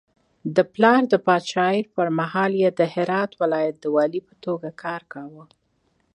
د پلار د پاچاهي پر مهال د هرات ولایت والي په توګه کار کاوه.